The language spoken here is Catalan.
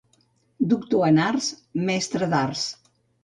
Doctor en arts, mestre d’arts.